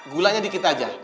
gulanya dikit aja